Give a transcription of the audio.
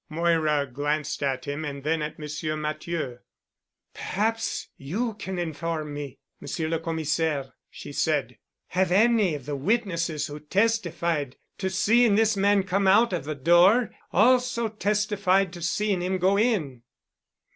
Moira glanced at him and then at Monsieur Matthieu. "Perhaps you can inform me, Monsieur le Commissaire," she said. "Have any of the witnesses who testified to seeing this man come out of the door also testified to seeing him go in?"